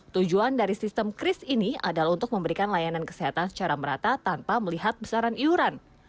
tujuan dari sistem kris ini adalah untuk memberikan layanan kesehatan secara merata tanpa melihat besaran iuran